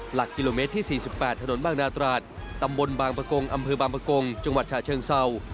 หลักกิโลเมตรที่๔๘ถนนบางนาตราดตำบลบางประกงอำเภอบางประกงจังหวัดฉะเชิงเศร้า